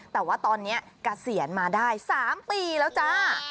แต่ว่าตอนนี้เกษียณมาได้๓ปีแล้วจ้า